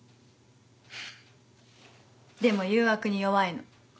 フフでも誘惑に弱いの。